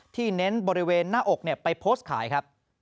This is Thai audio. เน้นบริเวณหน้าอกไปโพสต์ขายครับ